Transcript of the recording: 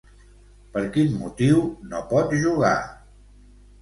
Per quin motiu no pot jugar?